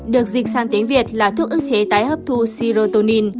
được dịch sang tiếng việt là thuốc ức chế tái hấp thu serotonin